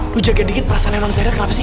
lu jaga deket perasaan emang segera kenapa sih